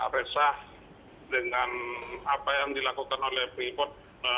resah dengan apa yang dilakukan oleh freeport